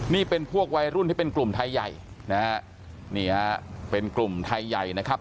นี่เป็นพวกวัยรุ่นที่เป็นกลุ่มไทยใหญ่นะฮะนี่ฮะเป็นกลุ่มไทยใหญ่นะครับ